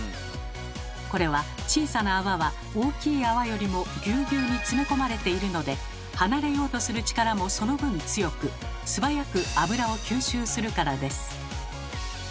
これは小さな泡は大きい泡よりもぎゅうぎゅうにつめ込まれているので離れようとする力もその分強く素早く油を吸収するからです。